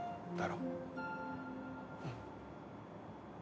うん。